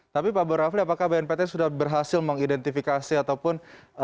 tapi pak borafli apakah bnpt sudah berhasil mengidentifikasi ataupun